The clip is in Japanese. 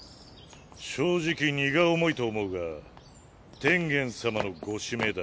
正直荷が重いと思うが天元様のご指名だ。